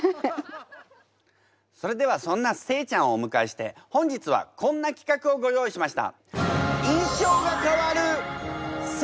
それではそんな西ちゃんをおむかえして本日はこんなきかくをご用意しました。